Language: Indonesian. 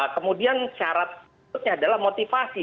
kemudian syarat utuhnya adalah motivasi